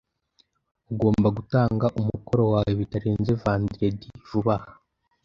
Ugomba gutanga umukoro wawe bitarenze vendredi, vuba aha